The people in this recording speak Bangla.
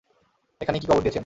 এখানেই কি কবর দিয়েছেন?